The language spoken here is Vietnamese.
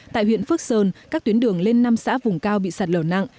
tại huyện phước sơn các tuyến đường lên năm xã vùng cao bị sạt lở nặng